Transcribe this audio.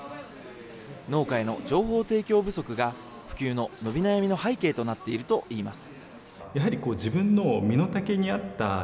農家への情報提供不足が、普及の伸び悩みの背景となっているといいます。